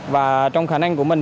và trong khả năng của mình